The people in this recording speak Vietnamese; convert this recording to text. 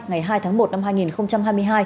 ngày hai tháng một năm hai nghìn hai mươi hai